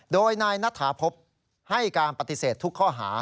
โดยนายณฐาพบให้การปฏิเสธทุกข้อหา